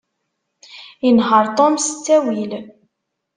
Inehheṛ Tom s ttawil.